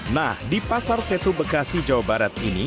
nah di pasar setu bekasi jawa barat ini